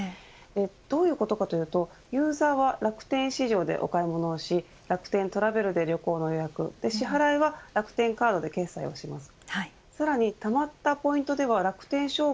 どういうことかというとユーザーは楽天市場でお買い物をし、楽天トラベルで旅行の予約、支払いは楽天カードで決済をします。